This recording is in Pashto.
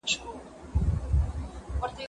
که په کور کي امير دئ، په بهر کي فقير دئ.